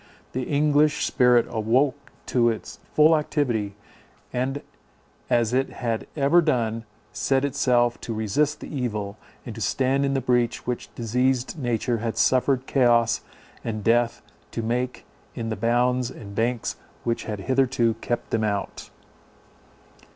The English spirit awoke to its full activity, and, as it had ever done, set itself to resist the evil, and to stand in the breach which diseased nature had suffered chaos and death to make in the bounds and banks which had hitherto kept them out.